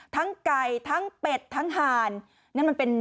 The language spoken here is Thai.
ทั้งไก่ทั้งเป็ดทั้งห่าน